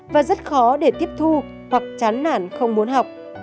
và rất khó để tiếp thu hoặc chán nản không muốn học